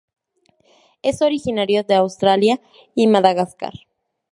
Es originario de Australia y Madagascar.